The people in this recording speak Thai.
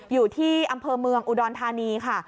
อยู่ที่อำเภอเมืองอุดรธานีค่ะ